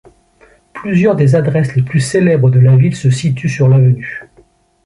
Plusieurs des adresses les plus célèbres de la ville se situent sur l'avenue.